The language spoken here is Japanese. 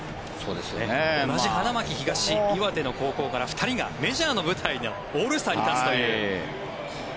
同じ花巻東、岩手の高校から２人がメジャーの舞台のオールスターに立つという。